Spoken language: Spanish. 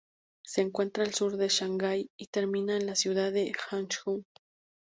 Se encuentra al sur de Shanghái, y termina en la ciudad de Hangzhou.